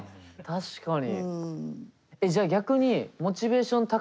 確かに。